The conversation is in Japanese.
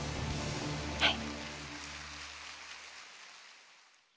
はい。